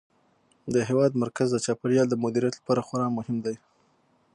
د هېواد مرکز د چاپیریال د مدیریت لپاره خورا مهم دی.